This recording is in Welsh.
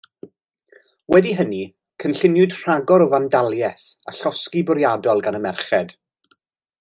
Wedi hynny, cynlluniwyd rhagor o fandaliaeth a llosgi bwriadol gan y merched.